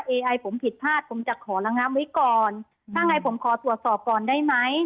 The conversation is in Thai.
ไอผมผิดพลาดผมจะขอระงับไว้ก่อนถ้าไงผมขอตรวจสอบก่อนได้ไหม